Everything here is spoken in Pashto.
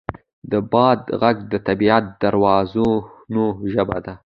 د باد غږ د طبیعت د رازونو ژبه ده.